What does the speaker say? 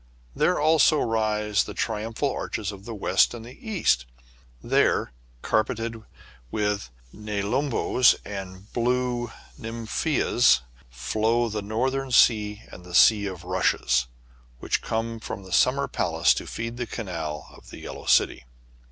There also rise the tri umphal arches of the West and East ; there, car peted with nelumbos and blue nymphœas, flow the Northern Sea and the Sea of Rushes, which come from the Summer Palace to feed the canal of the Yellow City.